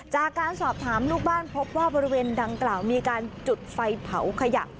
จากการสอบถามลูกบ้านพบว่าบริเวณดังกล่าวมีการจุดไฟเผาขยะ